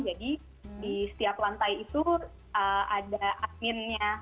jadi di setiap lantai itu ada adminnya